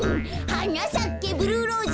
「はなさけブルーローズ」